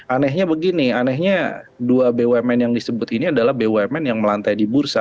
anehnya begini anehnya dua bumn yang disebut ini adalah bumn yang melantai di bursa